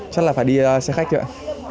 chắc là phải đi xe khách thôi ạ